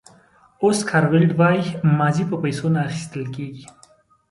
اوسکار ویلډ وایي ماضي په پیسو نه اخیستل کېږي.